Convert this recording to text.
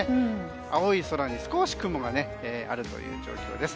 青い空に少し雲があるという状況です。